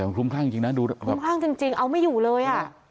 แต่มันพรุ่งข้างจริงนะดูแบบพรุ่งข้างจริงเอาไม่อยู่เลยอะ